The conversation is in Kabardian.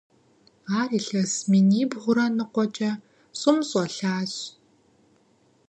Ар илъэс минибгъурэ ныкъуэкӀэ щӀым щӀэлъащ.